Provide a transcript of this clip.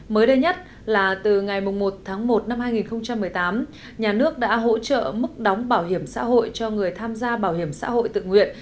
mới đây nhất là từ ngày một tháng một năm hai nghìn một mươi tám nhà nước đã hỗ trợ mức đóng bảo hiểm xã hội cho người tham gia bảo hiểm xã hội tự nguyện